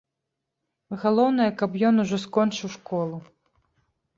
Галоўнае, каб ён ужо скончыў школу.